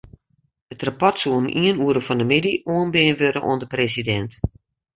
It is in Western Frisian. It rapport soe om ien oere fan 'e middei oanbean wurde oan de presidint.